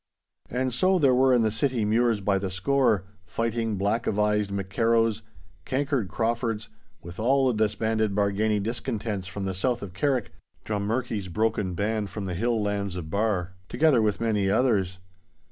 And so there were in the city Mures by the score, fighting, black avised MacKerrows, cankered Craufords, with all the disbanded Bargany discontents from the south of Carrick, Drummurchie's broken band from the hill lands of Barr, together with many others.